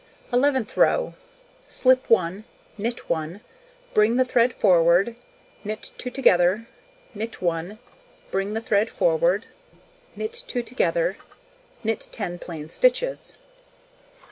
Eleventh row: Slip 1, knit 1, bring the thread forward, knit 2 together, knit 1, bring the thread forward, knit 2 together, knit 10 plain stitches.